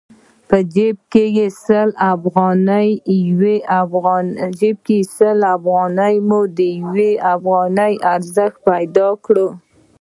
په جېب کې سل افغانۍ مو د يوې افغانۍ ارزښت پيدا کړ.